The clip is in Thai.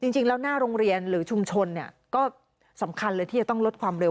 จริงแล้วหน้าโรงเรียนหรือชุมชนก็สำคัญเลยที่จะต้องลดความเร็ว